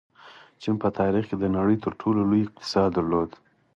چین په تاریخ کې د نړۍ تر ټولو لوی اقتصاد درلود.